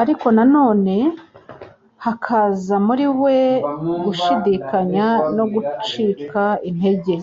Ariko na none hakaza muri we gushidikanya no gucika intege,